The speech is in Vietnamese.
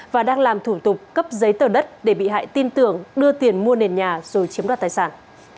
và đang làm thủ tục cấp giấy tờ đất để bị hại tin tưởng đưa tiền mua nền nhà rồi chiếm đoạt tài sản